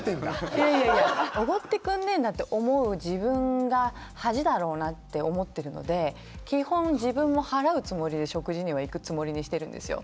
おごってくんねえんだって思う自分が恥だろうなって思ってるので基本自分も払うつもりで食事には行くつもりにしてるんですよ。